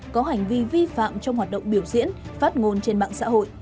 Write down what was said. có hành vi vi phạm trong hoạt động biểu diễn phát ngôn trên mạng xã hội